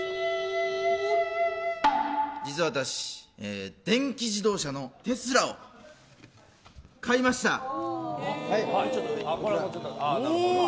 実は私、電気自動車のテスラを買いました。